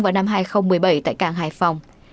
vào năm hai nghìn một mươi bảy tại cảng hải phòng